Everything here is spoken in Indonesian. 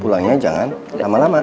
pulangnya jangan lama lama